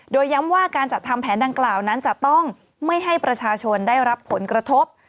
โดยย้ำว่าการจัดทำแผนดังกล่าวนั้นจะต้องไม่ให้ประชาชนได้รับผลกระทบ